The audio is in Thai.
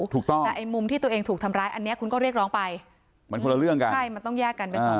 แต่มุมที่ตัวเองถูกทำร้ายอันนี้คุณก็เรียกร้องไปมันต้องแยกกันเป็นสองเรื่อง